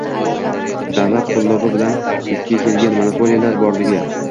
davlat qo‘llovi bilan vujudga kelgan monopoliyalar borligi